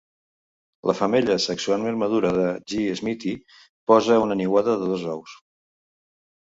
La femella sexualment madura de "G. smithii" posa una niuada de dos ous.